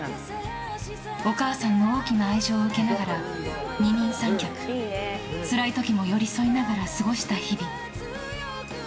お母さんの大きな愛情を受けながら二人三脚つらい時も寄り添いながら過ごした日々。